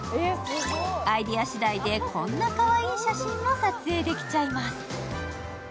アイデアしだいでこんなかわいい写真も撮影できちゃいます。